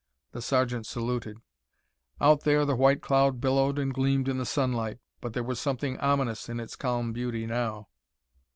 The sergeant saluted. Out there the white cloud billowed and gleamed in the sunlight. But there was something ominous in its calm beauty now.